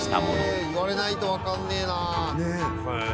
言われないと分かんねえな。